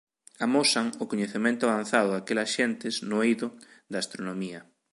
Amosan o coñecemento avanzado daquelas xentes no eido da astronomía.